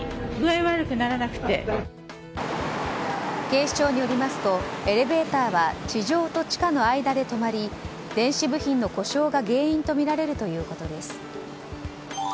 警視庁によりますとエレベーターは地上と地下の間で止まり電子部品の故障が原因とみられるということです。